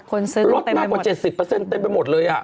คนเสื้ออยู่เต็มไปหมดบ๊วยฟรรดิ์รถมากกว่า๗๐เต็มไปหมดเลยอะ